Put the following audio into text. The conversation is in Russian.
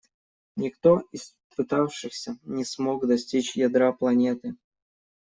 Никто из пытавшихся не смог достичь ядра планеты.